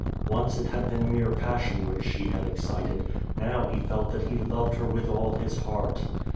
Once it had been mere passion which she had excited, now he felt that he loved her with all his heart.